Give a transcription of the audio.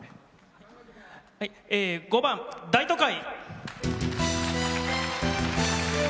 ５番「大都会」。